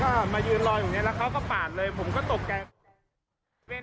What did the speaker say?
ก็มายืนรออยู่เนี้ยแล้วเขาก็ปาดเลยผมก็ตกใจ